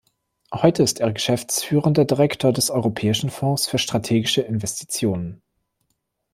Heute ist er Geschäftsführender Direktor des Europäischen Fonds für strategische Investitionen.